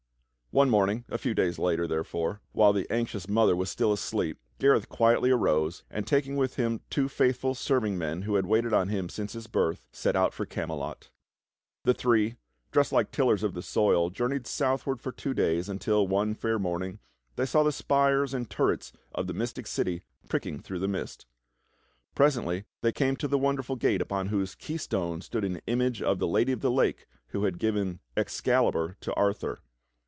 One morning a few days later, therefore, while the anxious mother was still asleep, Gareth quietly arose, and taking with him two faith ful serving men who had waited on him since his birth, set out for Camelot. The three, dressed like tillers of the soil, journeyed southward for two days until one fair morning they saw the spires and turrets of the mystic city pricking through the mist. Presently they came to the wonderful gate upon whose keystone stood an image of the Lad}' of the Lake who had given Excalibur to Arthur.